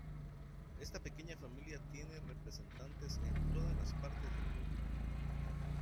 Esta pequeña familia tiene representantes en todas las partes del mundo.